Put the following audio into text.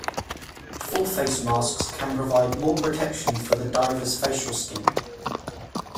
Full-face masks can provide more protection for the divers' facial skin.